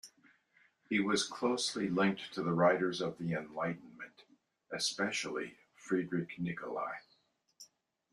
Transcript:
He was closely linked to the writers of the enlightenment, especially Friedrich Nicolai.